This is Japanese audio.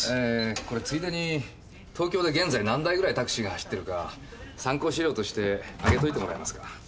これついでに東京で現在何台ぐらいタクシーが走ってるか参考資料として挙げておいてもらえますか？